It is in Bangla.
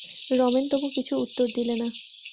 রমেন তবু কিছু উত্তর দিলে না।